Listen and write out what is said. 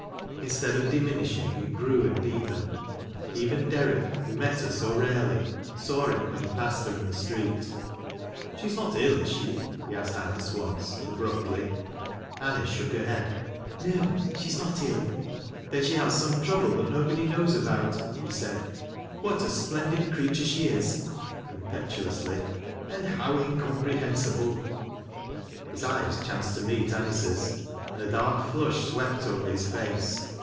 Instead of diminishing, it grew and deepened. Even Derrick, who met her bo rarely, saw it when he passed her in the street. " She is not ill, is she ?" he asked Anice once, ab ruptly. Anice shook her head. " N'o, she is not ill." " Then she has some trouble that nobody knows about," he said. " What a splendid creature she is I " impetu (lusly —" and how incomprehensible !" His eyes chanced to meet Anice's, and a dark flush swept over his face.